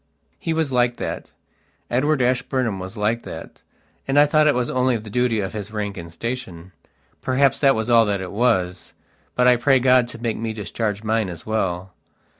He was like that. Edward Ashburnham was like that, and I thought it was only the duty of his rank and station. Perhaps that was all that it wasbut I pray God to make me discharge mine as well.